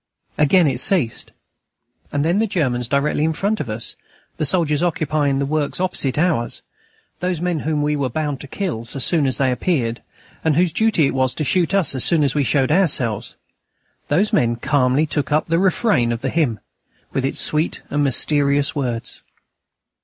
Again it ceased. And then the Germans directly in front of us, the soldiers occupying the works opposite ours, those men whom we were bound to kill so soon as they appeared, and whose duty it was to shoot us so soon as we showed ourselves those men calmly took up the refrain of the hymn, with its sweet and mysterious words.